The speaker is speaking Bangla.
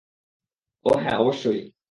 ওহ হ্যাঁ, অবশ্যই।